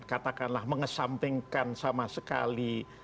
katakanlah mengesampingkan sama sekali